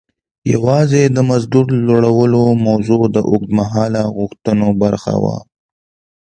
یوازې د مزد د لوړولو موضوع د اوږد مهاله غوښتنو برخه وه.